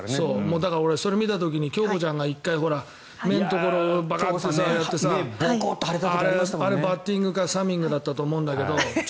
だから、それを見たときに京子ちゃんが１回目のところ腫れちゃってさあれ、バッティングかサミングだったと思うんだけど。